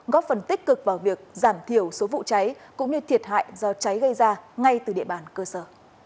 góp phần tích cực vào việc giảm thiểu số vụ cháy cũng như thiệt hại do cháy gây ra ngay từ địa bàn cơ sở